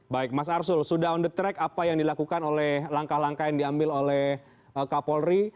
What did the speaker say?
baik mas arsul sudah on the track apa yang dilakukan oleh langkah langkah yang diambil oleh kapolri